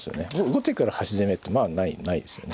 後手から端攻めってまあないですよね。